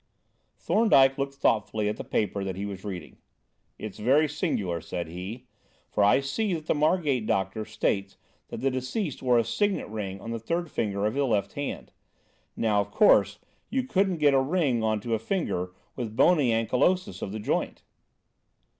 Thorndyke looked thoughtfully at the paper that he was reading. "It's very singular," said he, "for I see that the Margate doctor states that the deceased wore a signet ring on the third finger of the left hand. Now, of course, you couldn't get a ring on to a finger with bony ankylosis of the joint."